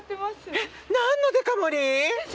えっ何のデカ盛り？